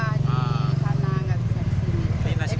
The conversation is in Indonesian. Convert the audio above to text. jadi di sana nggak bisa ke sini